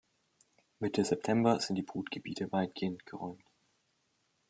Mitte September sind die Brutgebiete weitgehend geräumt.